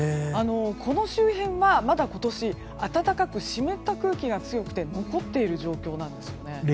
この周辺は、まだ今年暖かく湿った空気が強くて残っている状況なんですよね。